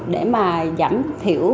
để mà giảm thiểu